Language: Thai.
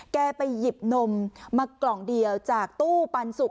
ไปหยิบนมมากล่องเดียวจากตู้ปันสุก